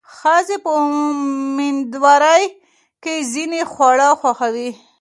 ښځې په مېندوارۍ کې ځینې خواړه خوښوي.